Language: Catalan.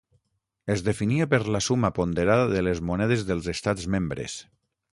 Es definia per la suma ponderada de les monedes dels estats membres.